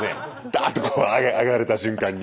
ダーッとこう上げられた瞬間に。